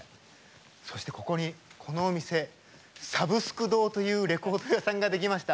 そして、ここに、このお店サブスク堂というレコード屋さんができました。